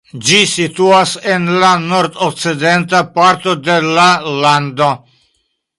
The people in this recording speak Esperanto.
Ĝi situas en la nordokcidenta parto de la lando.